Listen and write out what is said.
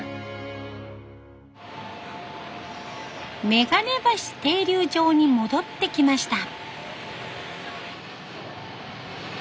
めがね橋停留場に戻ってきました。